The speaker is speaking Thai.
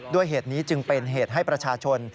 ด้วยเหตุนี้จึงเป็นเหตุให้ประชาชน